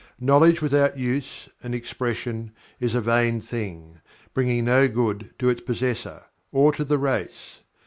Knowledge without Use and Expression is a vain thing, bringing no good to its possessor, or to the race.